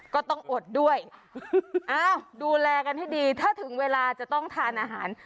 ก็ต้องอดด้วยอ้าวดูแลกันให้ดีถ้าถึงเวลาจะต้องทานอาหาร